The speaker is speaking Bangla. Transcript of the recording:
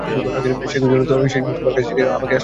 সেইজন্যই তোমার কাছে আসিয়াছি, আমাকে আশ্রয় দাও।